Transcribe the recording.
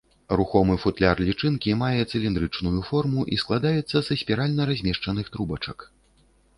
Рухомы футляр лічынкі мае цыліндрычную форму і складаецца са спіральна размешчаных трубачак.